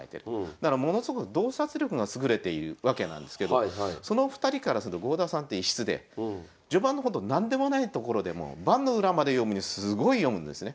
だからものすごく洞察力が優れているわけなんですけどその２人からすると郷田さんって異質で序盤のほんと何でもないところでも盤の裏まで読むすごい読むんですね。